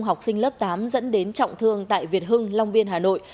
học sinh lớp tám dẫn đến trọng thương tại việt hưng long biên hà nội